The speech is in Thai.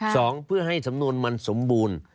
สองเพื่อให้สำนวนมันสมบูรณ์